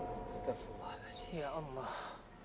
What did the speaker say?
astagfirullahaladzim ya allah